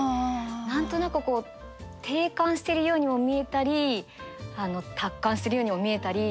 何となくこう諦観してるようにも見えたり達観しているようにも見えたり。